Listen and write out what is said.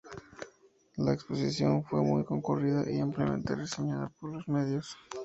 La exposición fue muy concurrida y ampliamente reseñada por los medios.